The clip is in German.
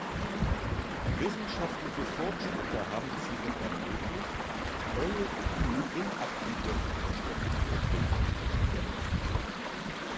Wissenschaftliche Fortschritte haben es jedoch ermöglicht, neue inaktivierte Impfstoffe zu entwickeln.